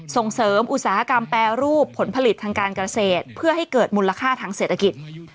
ส่งเสริมอุตสาหกรรมแปรรูปผลผลิตทางการเกษตรเพื่อให้เกิดมูลค่าทางเศรษฐกิจ